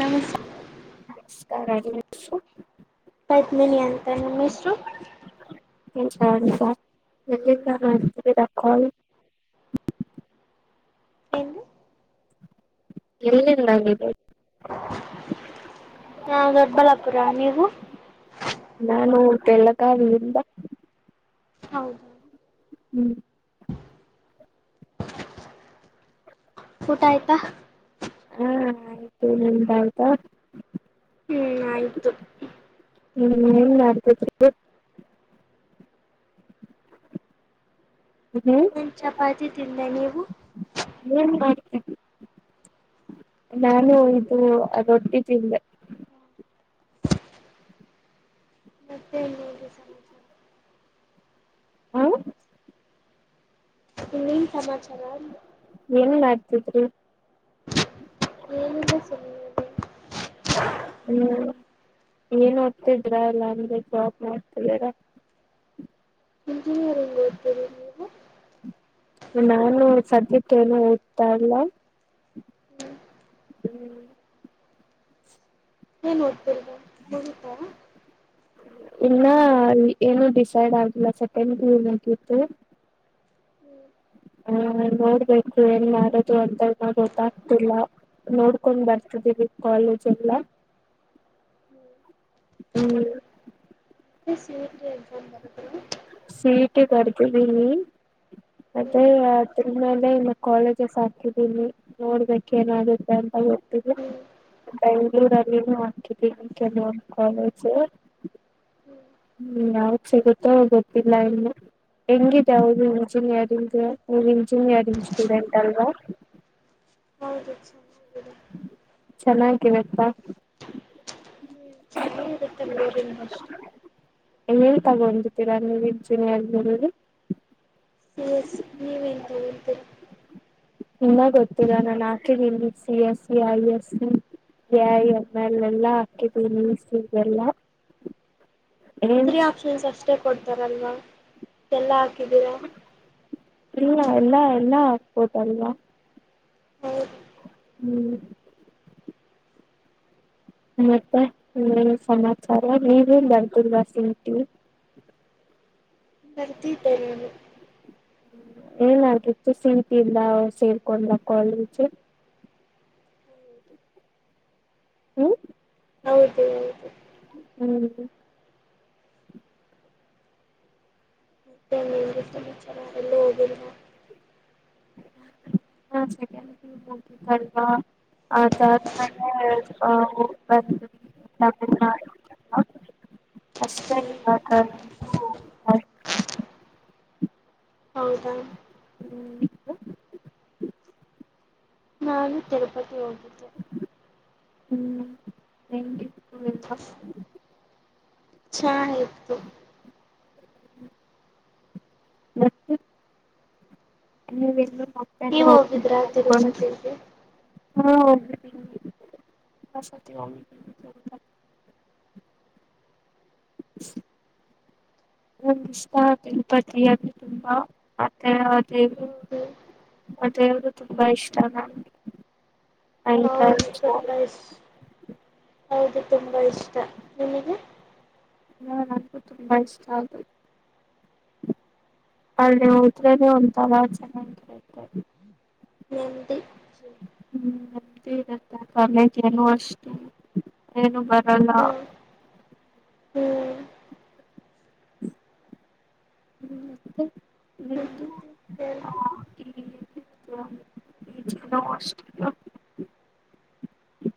ನಮಸ್ತೆ ಆ ರಾಜನ್ ಹಟ್ಸು. ಪದ್ಮಿನಿ ಅಂತ ನಿಮ್ ಹೆಸ್ರು. [unintelligible] ಎಲ್ಲಿಂದ ಮಾಡ್ತಿದೀರ ಕಾಲ್. ಏನು ಎಲ್ಲಿಂದ ನೀವು. ನಾವ್ ದೊಡ್ಬಳ್ಳಾಪುರ ನೀವು. ಕೆಳ್ಳ ಕವೇರಿ ಇಂದ. ಹೌದ ಹ್ಮ್ ಊಟ ಆಯ್ತಾ. ಹಾ ಆಯ್ತು ನಿಮ್ದ್ ಆಯ್ತಾ. ಹ್ಮ ಆಯ್ತು. ಹ್ಮ್ ಏನ್ ಮಾಡ್ತಿದ್ರಿ. ಹ್ಮ್ ಒಂ ಚಪಾತಿ ತಿಂದೆ ನೀವು. ಹ್ಮ್ ನಾನು ಒಂದು ರೊಟ್ಟಿ ತಿಂದೆ. ಮತ್ತೆ ಇನ್ನೇನು ಸಮಾಚಾರ ಹಾ ನಿಮ್ ಸಮಾಚಾರ ಅಂದೆ. ತಿದ್ರಿ ಏನಿಲ್ಲ ಸುಮ್ನಿದ್ದೆ. ಹ್ಮ್ ಏನ್ ಓತಿದಿರ ಎಲ್ಲ ಅಂದ್ರೆ ಜಾಬ್ ಮಾಡ್ತಿದಿರ. ಇಂಜಿನಿಯರಿಂಗ್ ಓದ್ತೀನಿ ನೀವು. ನಾನು ಸದ್ಯಕ್ ಏನು ಓದ್ತಾ ಇಲ್ಲ. ಹ್ಮ್. ಹ್ಮ್ ಏನ್ ಓತಿರೋದು ಮುಗೀತಾ. ಇನ್ನ ಏನು ಡಿಸೈಡ್ ಆಗಿಲ್ಲ ಸೆಕೆಂಡ್ ಪಿ ಯು ಮುಗಿತು. ಹ ನೋಡ್ಬೇಕು ಏನ್ ಮಾಡದು ಅಂತ ಗೊತ್ತಾಗ್ತಿಲ್ಲ ನೋಡ್ಕೊಂಡ್ ಬರ್ತಿದೀವಿ ಕಾಲೇಜ್ ಎಲ್ಲ. ಹ್ಮ್ K C E T exam ಬರುದ್ರಿ. ಸಿ ಟಿ ಬರ್ದಿದಿನಿ. ಹ್ಞೂ ಮತ್ತೇ ಅದ್ರು ಮೇಲೆ ಇನ್ನು ಕಾಲೇಜಸ್ ಹಾಕಿದೀನಿ ನೋಡ್ಬೇಕ್ ಏನಾಗುತ್ತೆ ಅಂತ ಗೊತ್ತಿದೆ ಹ್ಞೂ ಬೆಂಗ್ಳೂರಲಿನು ಹಾಕಿದೀನಿ ಕೆಲ್ವೊಂದ್ ಕಾಲೇಜು ಹ್ಮ್ ಯಾವ್ದ ಸಿಗುತ್ತೋ ಗೊತ್ತಿಲ್ಲ ಇನ್ನು ಹೆಂಗಿದೆ ಹೌ ಇಂಜಿನಿಯರಿಂಗು ನೀವ್ ಇಂಜಿನಿಯರಿಂಗ್ ಸ್ಟೂಡೆಂಟ್ ಅಲ್ವಾ. ಹೌದು [unintelligible] ಚೆನ್ನಾಗಿರುತ್ತಾ. ಹ್ಮ ಚೆನಾಗಿರುತ್ತೆ ಬೋರಿಂಗ್ ಅಷ್ಟೆ. ಏನ್ ತಗೊಂಡರ್ತೀರಾ ನೀವ್ ಇಂಜಿನಿಯರಿಂಗ್ ಅಲ್ಲಿ. ಸಿ ಎಸ್ ನೀವ್ ಎನ್ ತಗೊಂತೀರಾ. ಇನ್ನ ಗೊತ್ತಿಲ್ಲ ನಾನ್ ಹಾಕಿದ್ದೀನಿ C A C I S C A I M L ಎಲ್ಲಾ ಹಾಕಿದೀನಿ ಇ ಸಿ ಎಲ್ಲ. ತ್ರೀ ಏಮ್ಸ್ ಆಪ್ಷನ್ಸ್ ಅಷ್ಟೆ ಷ್ಟೆ ಕೊಡ್ತಾರಲ್ವ ಎಲ್ಲ ಹಾಕ್ ಕಿದಿರಾ ಇಲ್ಲ ಎಲ್ಲಾ ಎಲ್ಲ ಆಕ್ಬೊದಲ್ವಾ ಹೌದು ಹ್ಮ್. ಹ್ಮ್ ಮತ್ತೆ ಸಮಾಚಾರ ನೀವು ಬರ್ದಿಲ್ವಾ ಸಿ ಇ ಟಿ. ಬರ್ದಿದ್ದೆ ನಾನು. ಏನಾಗಿತ್ತು ಸಿ ಟಿ ಇಂದ ಸೇರ್ಕೊಂಡ್ರ ಕಾಲೇಜು. ಹ್ಮ ಹೌದು ಹ್ಮ್ [unintelligible] ಸೆಕೆಂಡ್ ಪಿ ಯು ಮುಗಿತಲ್ವಾ ಅದಾದ್ಮೇಲೆ ಸ್ವಲ್ಪ ಹೋಗ್ಬಂದೆ ತಮಿಳ್ನಡೆಲ್ಲಾ ಅಷ್ಟೆ. ಹ್ಞೂ [unintelligible] ಹೌದಾ ಹ್ಮ ನೀವು. ನಾನು ತಿರುಪತಿ ಹೋಗಿದ್ದೆ. ಹ್ಮ್ ಹೆಂಗಿತ್ ಹ್ಮ್ ಇಲ್ವಾ. ಚೆನಾಗಿತ್ತು. ಮತ್ತು ನೀವೆಲ್ಲೂ ಮಕ್ಕಳು ನೀವ್ ಹೋಗ್ಬೇಕು ಹೋಗಿದ್ರಾ ಅನ್ಕೊಂಡು ತಿರುಪತಿಗೆ. ಹಾ [unintelligible] ನಂಗ್ ಇಷ್ಟ ತಿರುಪತಿ ಅಂದ್ರೆ ತುಂಬಾ ಮತ್ತೆ ಅ ದೇವ್ರು ಹೌದು ಅ ದೇವ್ರು ತುಂಬಾ ಇಷ್ಟ ನಂಗೆ. [unintelligible] ಬೈಸ್ ಹೌದು ತುಂಬಾ ಇಷ್ಟ ನಿಮಿಗ್ ಹು ನನ್ಗು ತುಂಬಾ ಇಷ್ಟ ಅದು ಅಲ್ ಹೋದ್ರೆನು ಒಂಥರಾ ಚೆನಾಗಿರುತ್ತೆ. ನೆಮ್ಮದಿ ಹ್ಮ್ ಮತ್ತೆ ಇರುತ್ತೆ ಕಾಲೇಜ ಏನು ಅಷ್ಟೇ ಏನು ಬರಲ್ಲ. ಹಾಂ ಹ್ಮ್ ದು ಹ್ಞೂ ನಿಮ್ದು. ಆ ಇಟ್ಸ್ ನೋಸ್ಟ್.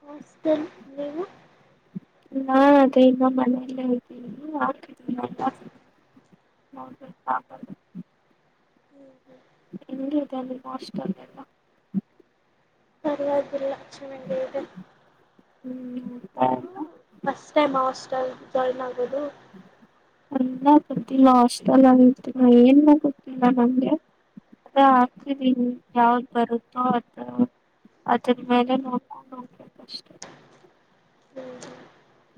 ಹಾಸ್ಟೆಲ್ ನೀವು. ನಾದ್ ಇನ್ನ ಮನೆಲಿ. [unintelligible] ಹ್ಞೂ ಹ್ಞೂ ಹೆಂಗ್ ಇದೆ ಅಲ್ಲಿ ಹಾಸ್ಟೆಲ್ ಎಲ್ಲ. ಸರಿಯಾಗ್ ಇಲ್ಲ. ಚೆನಾಗೆ ಇದೆ. ಹ್ಮ್ ಹ್ಮ್ ಹಾ ನೀವು ಫಸ್ಟ್ ಟೈಮ್ ಹಾಸ್ಟೆಲ್ ಜಾಯ್ನ್ ಆಗೋದು. ಅಲ್ಲ ಗೊತ್ತಿಲ್ಲ ಹಾಸ್ಟೆಲ್ ಆಗಿರ್ತೀಲ್ಲ ಏನ್ ಗೊತ್ತಿಲ್ಲ ನಂಗೆ ಅದೆ ಹಾಕ್ತಿದೀನಿ ಯಾವ್ದ್ ಬರುತ್ತೋ ಅದು ಅದ್ರ ಮೇಲೆ ನೋಡ್ಕೊಂಡ್ ಹೋಗ್ಬೇಕಷ್ಟೆ.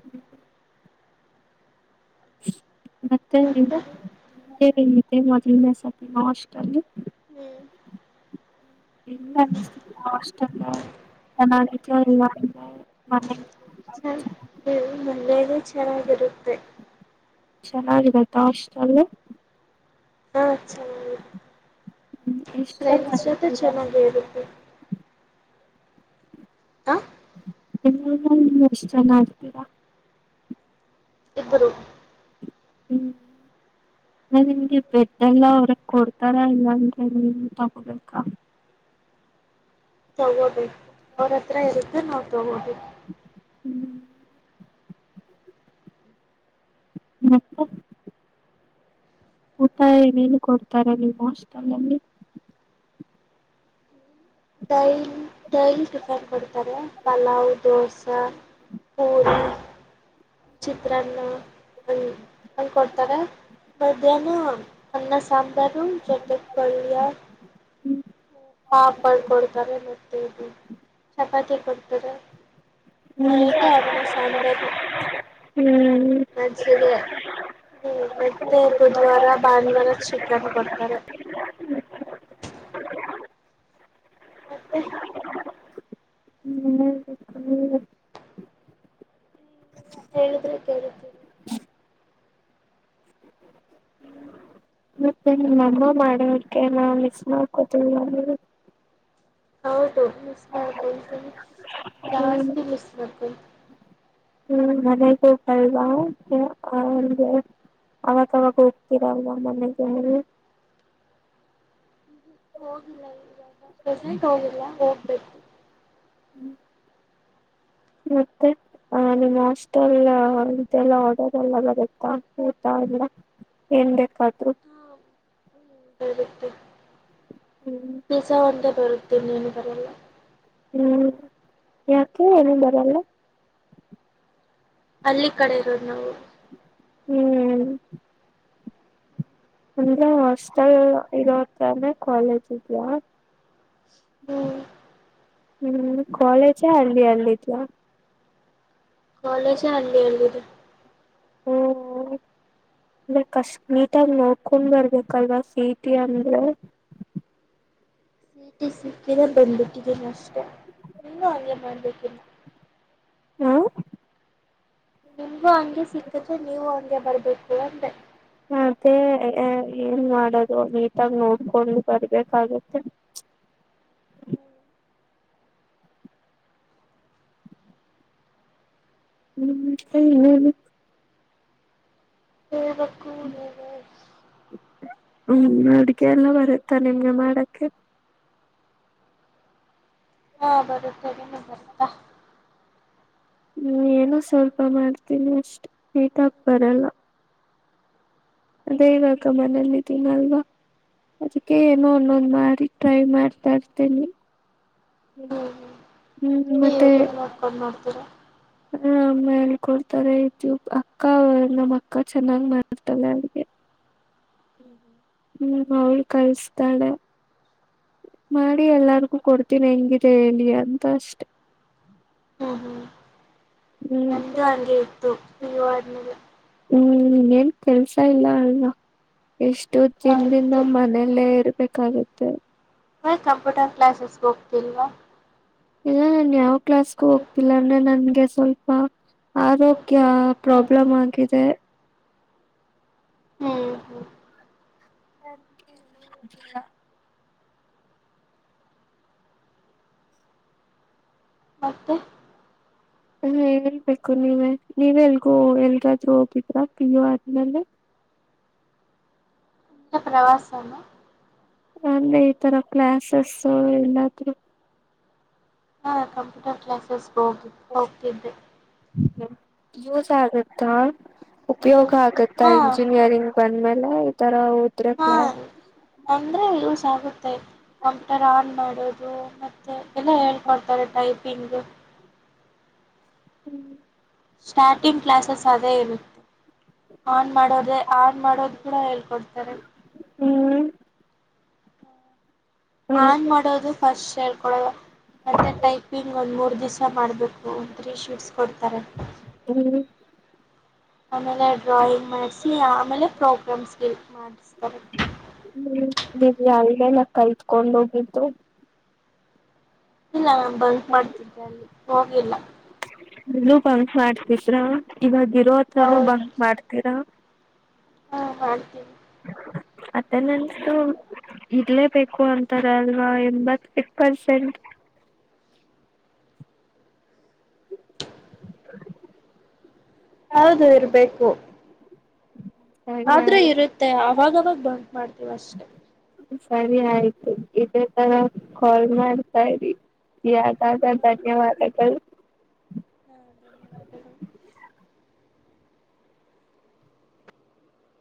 ಹ್ಮ ಮತ್ತೇ ನೀವು ಮತ್ತೆ ಇದೆ ಮೊದಲ್ನೆ ಸಲಿನಾ ಹಾಸ್ಟೆಲ್ಲು ಹ್ಞೂ ಹೆಂಗ್ ಅನ್ನುಸ್ತಿದೆ ಹೊಸ್ಟೆಲ್ಲೆ ಚೆನ್ನಾಗಿದೆಯೋ ಇಲ್ವೋ ಅಂತ. ಚ ಏನ್ ಮನೆಲೆ ಚೆನ್ನಾಗಿರುತ್ತೆ. ಚೆನ್ನಾಗಿರುತ್ತಾ ಹಾಸ್ಟಲು. ಹಾ ಚೆನಾಗಿರುತ್ತೆ ಹ್ಮ್ ಎಷ್ಟ್ ಜನ ಫ್ರೆಂಡ್ಸ್ ಜೊತೆ ಆಗ್ತೀರಾ ಚೆನ್ನಾಗೆ ಇರುತ್ತೆ. ಹಾಂ ಒಂದ್ ರೂಮಲ್ಲಿ ನೀವ್ ಎಷ್ಟ್ ಜನ ಇರ್ತಿರ. ಇಬ್ರು ಹ್ಮ್ ನಿಮ್ಗೆ ಬೆಡ್ ಎಲ್ಲ ಅವ್ರೇ ಕೊಡ್ತಾರ ಇಲ್ಲ ಅಂದ್ರೆ ನೀವೆ ತಗೋಬೇಕಾ. ತಗೋಬೇಕು ಅವರತ್ರ ಇರುತ್ತೆ ನಾವ್ ತಗೋಬೇಕು ಹ್ಮ್ ಮತ್ತೆ ಊಟ ಏನೇನು ಕೊಡ್ತಾರ ನಿಮ್ಮ ಹಾಸ್ಟೆಲ್ಲ್ಲಿ ಡೈಲ್ ಡೈಲ್ ಟಿಫನ್ ಕೊಡ್ತಾರೆ ಪಲಾವ್ ದೋಸಾ ಪೂರಿ ಚಿತ್ರಾನ್ನ ಹಂಗ್ ಹಂಗ್ ಕೊಡ್ತಾರೆ ಮಧ್ಯಾಹ್ನ ಅನ್ನ ಸಾಂಬಾರ್ [inaudible] ಹ್ಞೂ ಪಾಪ್ ಮಾಡ್ಕೊಡ್ತಾರೆ ಕೊಡ್ತರ ಹ್ಮ್ ನೈಟ್ ಅನ್ನ ಸಾಂಬಾರ್ ಮಜ್ಜಿಗೆ ಮತ್ತೆ ಬುಧವಾರ ಭಾನುವಾರ ಚಿಕನ್ ಕೊಡ್ತಾರೆ ಮತ್ತೆ ಹ್ಮ್ ಮತ್ತೆ ಹೇಳಿದ್ರೆ ಕೇಳ್ತೀನಿ ಮತ್ತೆ ನಿಮ್ಮಮ್ಮ ಮಾಡೋ ಅಡ್ಗೆ ನಾ ಮಿಸ್ ಮಾಡ್ಕೋತಿಲ್ವಾ ನೀವು ಹೌದು ಮಿಸ್ ಮಾಡ್ಕೋತೀನಿ ಹ್ಮ್ ಜಾಸ್ತಿ ಮಿಸ್ ಮಾಡ್ಕೋತೀನಿ ಹ್ಮ್ ಮನೆಗ ಹೋಗಲ್ವಾ ಅಂದ್ರೆ ಅವಾಗವಾಗ ಹೋಗ್ತೀರಲ್ವಾ ಮನೆಗೆ ಹೋಗ್ ಬಂದೆ ಹೋಗಿಲ್ಲ ಹೋಗ್ಬೇಕು ಹ್ಮ್ ಮತ್ತೆ ಆ ನಿಮ್ಮ್ ಹಾಸ್ಟೆಲ್ ಇದೆಲ್ಲ ಆರ್ಡರ್ ಎಲ್ಲ ಬರುತ್ತಾ ಊಟ ಎಲ್ಲ ಏನ್ ಬೇಕಾದ್ರೂ ಹ್ಮ ಬರುತ್ತೆ ಹ್ಮ್ ಪಿಜ್ಜಾ ಒಂದೇ ಬರುತ್ತೆ ಮತ್ತಿನ್ನೇನು ಬರಲ್ಲ ಹ್ಮ್ ಯಾಕೆ ಏನು ಬರಲ್ಲ ಹಳ್ಳಿ ಕಡೆ ಇರೋದು ನಾವು ಹ್ಮ್ ಅಂದ್ರೆ ಹಾಸ್ಟೆಲ್ ಇರೋ ಹತ್ರಾನೇ ಕಾಲೇಜ್ ಇದ್ಯಾ ಹ್ಞೂ [inaudible] ಹ್ಮ್ ಕಾಲೇಜೇ ಹಳ್ಳಿಯಲ್ಲಿದಿಯಾ ಕಾಲೇಜೆ ಹಳ್ಳಿಯಲ್ಲಿದೆ ಹ ಅಂದ್ರೆ ಕಷ್ಟ ನೀಟಾಗಿ ನೋಡ್ಕೊಂಡ್ ಬರ್ಬೇಕಲ್ವಾ ಸಿಇಟಿ ಅಂದ್ರೆ ಸಿಇಟಿ ಸಿಕ್ಕಿದೆ ಬಂದ್ಬಿಟ್ಟಿದ್ದೇನ ಅಷ್ಟೆ ನೀನ್ನೂ ಹಾಗೆ ಮಾಡಬೇಕಿಲ್ಲ ಹಾ ನಿಮಗೂ ಹಂಗೆ ಸಿಕ್ಕದೆ್ರೆ ನೀವು ಹಂಗೆ ಬರ್ಬೇಕು ಅಂದ್ರೆ ಮತ್ತೇ ಏನ್ ಮಾಡೋದು ನೀಟಾಗಿ ನೋಡ್ಕೊಂಡು ಬರ್ಬೇಕಾಗುತ್ತೆ ಹ್ಮ್ ಹ್ಮ ಹ್ಮ ಹಕ್ಕ ಹ್ಮ್ ಅಡ್ಗೆ ಎಲ್ಲ ಬರುತ್ತಾ ನಿಮ್ಗೆ ಮಾಡಕ್ಕೆ ಹಾ ಬರ ಸರಿ ಬರ ನೀ ಏನೋ ಸ್ವಲ್ಪ ಮಾಡ್ತೀನಿ ಅಷ್ಟ್ ಟೀಟಾಕ್ ಬರಲ್ಲ ಅದೇ ಇವಾಗ ಮನೇಲ್ಲಿದ್ದೀನಿಲ್ವಾ ಅದಕ್ಕೆ ಏನೋ ಅನ್ನೊಂದ್ ಮಾಡಿ ಟ್ರೈ ಮಾಡ್ತಾ ಇರ್ತೇನಿ ಹ್ಮ್ ಮತ್ತೆ ಮಾಡಕೊಂಡ ನ ಮಾಡಡ್ತೀರಾ ಹ ಅಮ್ಮಳ್ ಕೊಡ್ತಾರೆ ಇದು ಅಕ್ಕ ನಮ್ಮ ಅಕ್ಕ ಚೆನ್ನಾಗ್ ಮಾಡ್ತಾಳೆ ಅವಿಗೆ ಹ್ಮ ಅವ್ಳ ಕಲ್ಸ್ತಾಳೆ ಮಾಡಿ ಎಲ್ಲಾರ್ಗೂ ಕೊಡ್ತೀನಿ ಹೆಂಗಿದೆ ಹೇಳಿ ಅಂತ ಅಷ್ಟೆ. ಹ್ಮ್ ಹ್ಮ್ ಹ್ಮ್ ನಂದು ಹಂಗೆ ಇತ್ತು ಪಿ ಯು ಆದ್ಮೇಲೆ. ಹ್ಮ್ ಇನ್ನ್ ಏನ್ ಕೆಲ್ಸ ಇಲ್ಲ ಅಲ್ವಾ. ಇಷ್ಟು ದಿನದಿಂದ ಹೌದು ಮನೆಯಲ್ಲೇ ಇರು ಬೇಕಾಗುತ್ತೆ ಮ ಕಂಪ್ಯೂಟರ್ ಕ್ಲಾಸಸ್ ಹೋಗ್ ತಿಲ್ವಾ ಇಲ್ಲ ನನ್ ಯಾವ್ ಕ್ಲಾಸ್ಗು ಹೋಗ್ತಿಲ್ಲ ಅಂದ್ರೆ ನನ್ಗೆ ಸ್ವಲ್ಪ ಆರೋಗ್ಯ ಪ್ರಾಬ್ಲಮ್ ಆಗಿದೆ. ಹ್ಮ್ ಹ್ಮ್ ಅದ್ಕೆ ಎಲ್ಲೂ ಹೋಗಿಲ್ಲ. ಮತ್ತೆ ಹ್ಮ ಹೇಳ್ಬೇಕು ನೀವೇ. ನೀವೆ ಎಲ್ಗೋ ಎಲ್ಗಾದ್ರು ಹೋಗಿದ್ರಾ ಪಿ ಯು ಆದ್ಮೇಲೆ. ಇನ ಪ್ರವಾಸಾನ. ರಮ್ಮೆ ಈ ತರ ಕ್ಲಾಸಸ್ ಎಲ್ಲಾದ್ರು. ಹಾ ಕಂಪ್ಯೂಟರ್ ಕ್ಲಾಸಸ್ ಹೋಗಿ ಹೋಗ್ತಿದ್ದೆ. ಯೂಸ್ ಆಗುತ್ತಾ. ಉಪಯೋಗ ಆಗತ್ತಾ ಹಾ ಇಂಜಿನಿಯರಿಂಗ್ ಬಂದ್ಮೇಲ್ ಎಲ್ಲ ಈ ತರ ಓದ್ ಹಾ ಅಂದ್ರೆ ಯೂಸ್ ಆಗುತ್ತ ಇದ್ ಕಂಪ್ಯೂಟರ್ ಆನ್ ಮಾಡ್ ಓ ಮತ್ತೆ ಎಲ್ಲ ಹೇಳ್ಕೊಡ್ತಾರೆ ಟೈಪ್ ಟಿಂಗು. ಹ್ಮ ಸ್ಟಾರ್ಟಿಂಗ್ ಕ್ಲಾಸಸ್ ಅದೆ ಇರುತ್ತೆ ಆನ್ ಮಾಡೋದೇ ಆನ್ ಮಾಡೋದ್ ಕೂಡ ಹೇಳ್ಕೊಡ್ತಾರೆ. ಹ್ಮ್. ಹ್ಮ್ ಆನ್ ಮಾಡೋದು ಫಸ್ಟ್ ಹೇಳ್ಕೊಡಲ್ಲ ಮತ್ತೆ ಟೈಪಿಂಗ್ ಒಂದ್ ಮೂರ್ ದಿವ್ಸ ಮಾಡಬೇಕು ಒಂದ್ ತ್ರೀ ಶೀಟ್ಸ್ ಕೊಡ್ತಾರೆ. ಹ್ಮ್ ಆಮೇಲೆ ಡ್ರಾಯಿಂಗ್ ಮಾಡಿಸಿ ಆಮೇಲೆ ಪ್ರೋಗ್ರಾಮಿಂಗ್ ಮಾಡುಸ್ತಾರೆ. ನೀವ್ ಯಾವ್ದೆಲ್ಲ ಕಲ್ತ್ಕೊಂಡ್ ಹೋಗಿದ್ದು. ಇಲ್ಲಾಮ್. ಬಂಕ್ ಮಾಡ್ತಿದ್ದಲ್ಲಿ. ಹೋಗಿಲ್ಲ. ನೀನು ಬಂಕ್ ಮಾಡ್ತಿದ್ರಾ ಇವತ್ ಇರವತ್ನ ಹೌದು ಬ ಮಾಡ್ತೀರಾ ಹಾ ಮಾಡ್ತೀವಿಿ [inaudible] ಅಟೆಂಡೆನ್ಸ್ ಇರ್ಲೇ ಬೇಕು ಅಂತಾರೆ ಅಲ್ವಾ [unintelligible] ಹೌದು ಇರ್ಬೇಕು. ಸರಿ ಆದ್ರೆ ಆಯ್ತು ಇರುತ್ತೆ ಅವಾಗವಾಗ ಬಂಕ್ ಮಾಡ್ತೀವಿ ಅಷ್ಟೇ ಸರಿ ಆಯ್ತು ಇದೇ ತರ ಕಾ ಲ್ ಮಾಡ್ತರಿ ಯ್ದಾದ ಹಾ ಧನ್ಯವಾದಗಳು. ದ.